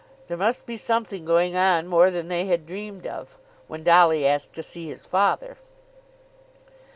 There must be something going on more than they had dreamed of, when Dolly asked to see his father.